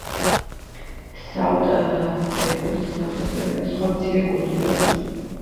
საუთჰემპტონის სიახლოვეს მდებარეობს, სხვა მცირე კუნძულებიც.